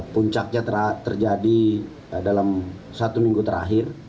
puncaknya terjadi dalam satu minggu terakhir